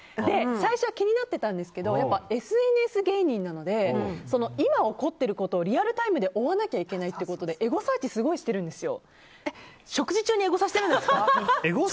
最初は気になってたんですけどＳＮＳ芸人なので今、起こってることをリアルタイムで追わなきゃいけないってことでエゴサーチ食事中にエゴサしてるんですか。